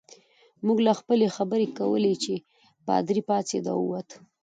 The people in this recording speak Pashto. موږ لا خپلې خبرې کولې چې پادري پاڅېد او ووت.